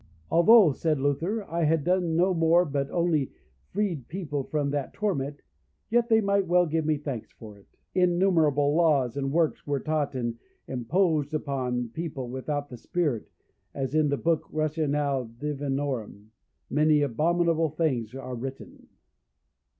Although, said Luther, I had done no more but only freed people from that torment, yet they might well give me thanks for it. Innumerable laws and works were taught and imposed upon people without the spirit, as in the book, Rationale Divinorum, many abominable things are written.